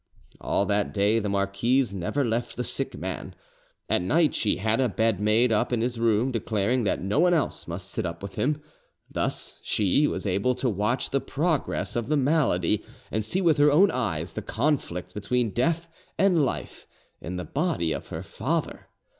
All that day the marquise never left the sick man. At night she had a bed made up in his room, declaring that no one else must sit up with him; thus she, was able to watch the progress of the malady and see with her own eyes the conflict between death and life in the body of her father.